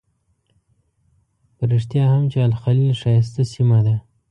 په رښتیا هم چې الخلیل ښایسته سیمه ده.